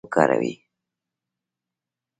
د سګرټ د پرېښودو لپاره د زنجبیل او لیمو ګډول وکاروئ